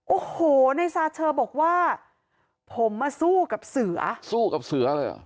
โอ้โหนายซาเชอร์บอกว่าผมอะสู้กับเสือสู้กับเสืออะไรอะ